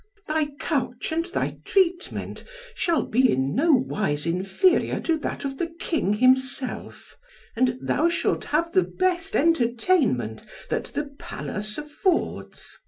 "Thy couch and thy treatment shall be in no wise inferior to that of the King himself, and thou shalt have the best entertainment that the palace affords.